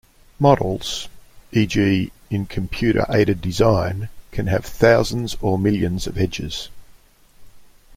Models, e.g., in computer-aided design, can have thousands or millions of edges.